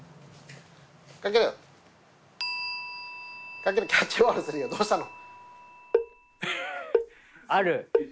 翔キャッチボールするよどうしたの！？